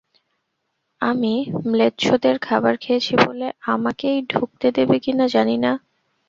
আমি ম্লেচ্ছদের খাবার খেয়েছি বলে আমাকেই ঢুকতে দেবে কিনা, জানি না।